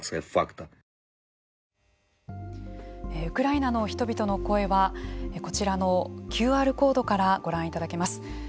ウクライナの人々の声はこちらのＱＲコードからご覧いただけます。